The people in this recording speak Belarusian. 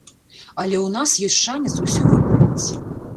Але ў нас ёсць шанец усё выправіць.